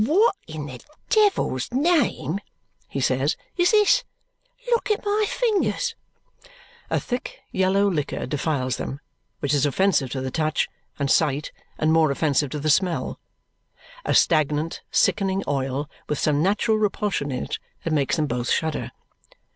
"What, in the devil's name," he says, "is this! Look at my fingers!" A thick, yellow liquor defiles them, which is offensive to the touch and sight and more offensive to the smell. A stagnant, sickening oil with some natural repulsion in it that makes them both shudder.